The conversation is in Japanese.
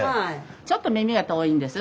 ちょっと耳が遠いんです。